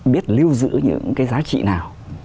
biết lưu giữ những cái giá trị nào